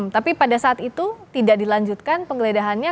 tapi pada saat itu tidak dilanjutkan penggeledahannya